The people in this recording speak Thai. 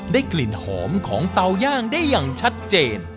กลิ่นหอมของเตาย่างได้อย่างชัดเจน